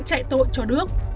chạy tội cho đức